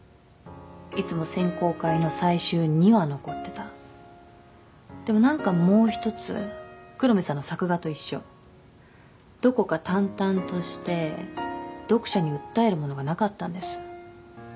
いつも選考会の最終には残ってたでもなんかもうひとつ黒目さんの作画と一緒どこか淡々として読者に訴えるものがなかったんです